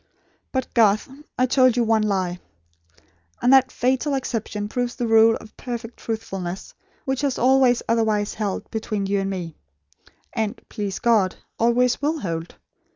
But, Garth, I told you one lie; and that fatal exception proves the rule of perfect truthfulness, which has always otherwise held, between you and me; and, please God, always will hold.